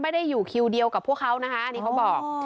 ไม่ได้อยู่คิวเดียวกับพวกเขานี่เขาบอก